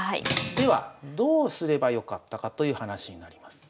ではどうすればよかったかという話になります。